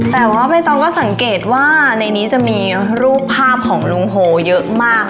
แต่ว่าใบตองก็สังเกตว่าในนี้จะมีรูปภาพของลุงโฮเยอะมาก